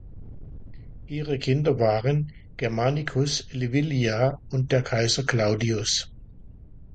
Ihre Kinder waren Germanicus, Livilla und der Kaiser Claudius.